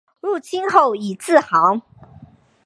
入清后以字行。